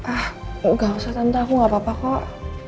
ah gak usah tante aku gak apa apa kok